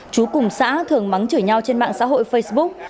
chú cùng xã thường mắng chửi nhau trên mạng xã hội facebook